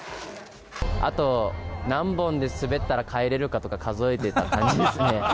あと何本滑ったら帰れるかとか数えてた感じですね。